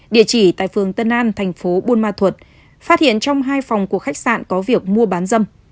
địa chỉ tại phường tân an thành phố buôn ma thuột phát hiện trong hai phòng của khách sạn có việc mua bán dâm